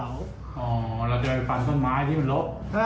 อ๋อแล้วจะไปฟันต้นไม้ที่มันลด